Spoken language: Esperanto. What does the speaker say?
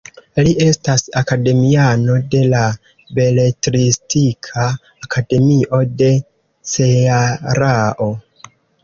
Li estas akademiano de la Beletristika Akademio de Cearao.